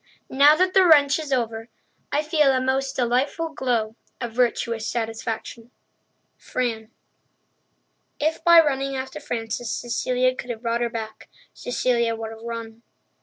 Now that the wrench is over, I feel a most delightful glow of virtuous satisfaction! Fran. If by running after Frances Cecilia could have brought her back, Cecilia would have run.